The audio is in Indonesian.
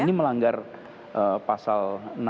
ini melanggar pasal enam ratus lima puluh tiga